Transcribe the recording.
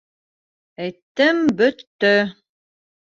Әйттем — бөттө.